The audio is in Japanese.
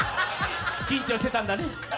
緊張してたんだね。